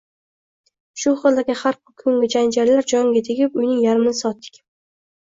Shu xildagi har kungi janjallar jonga tegib, uyning yarmini sotdik